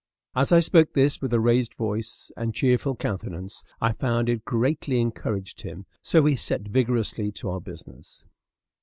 As I spoke this with a raised voice and cheerful countenance, I found it greatly encouraged him; so we set vigorously to our business.